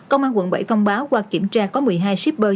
công an quận bảy thông báo qua kiểm tra có một mươi hai shipper